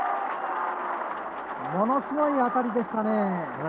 ものすごいあたりでしたね。